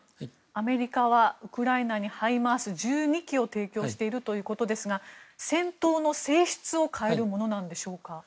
アメリカはウクライナにハイマース１２基を提供しているということですが戦闘の性質を変えるものなんでしょうか。